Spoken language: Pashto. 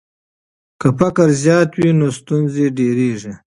که فقر زیات وي نو ستونزې ډېریږي.